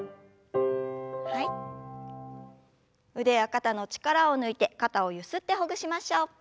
腕や肩の力を抜いて肩をゆすってほぐしましょう。